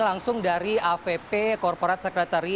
langsung dari avp corporat sekretari